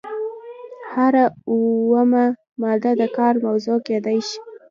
هره اومه ماده د کار موضوع کیدای شي.